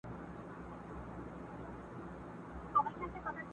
او ټوکي کوي